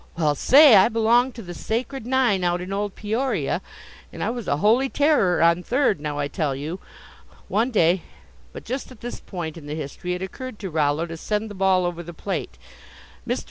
Well, say, I belonged to the Sacred Nine out in old Peoria, and I was a holy terror on third, now I tell you. One day " But just at this point in the history it occurred to Rollo to send the ball over the plate. Mr.